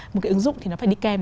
một cái ứng dụng thì nó phải đi kèm